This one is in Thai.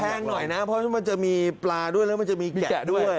หน่อยนะเพราะมันจะมีปลาด้วยแล้วมันจะมีแกะด้วย